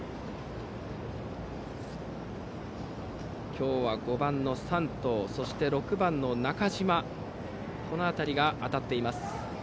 今日は５番の山藤そして６番の中島この辺りが当たっています。